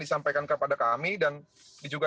disampaikan kepada kami dan juga